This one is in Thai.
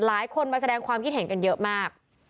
หลายคนมาแสดงความคิดเห็นกันเยอะมาก